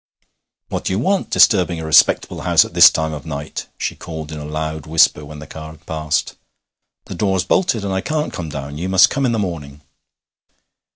'What do you want disturbing a respectable house at this time of night?' she called in a loud whisper when the car had passed. 'The door's bolted, and I can't come down. You must come in the morning.'